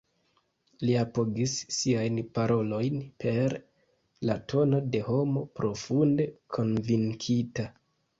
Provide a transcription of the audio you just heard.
Li apogis siajn parolojn per la tono de homo profunde konvinkita.